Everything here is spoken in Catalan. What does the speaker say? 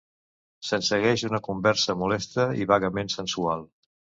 Se'n segueix una conversa molesta i vagament sensual.